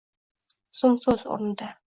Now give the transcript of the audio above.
So‘ngso‘z o‘rnida